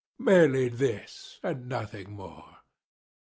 Merely this, and nothing more.